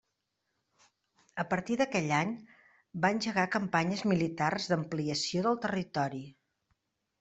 A partir d'aquell any va engegar campanyes militars d'ampliació del territori.